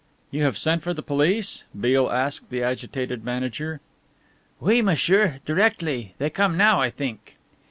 "You have sent for the police?" Beale asked the agitated manager. "Oui, m'sieur directly. They come now, I think."